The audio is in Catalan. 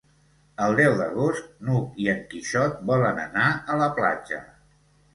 El deu d'agost n'Hug i en Quixot volen anar a la platja.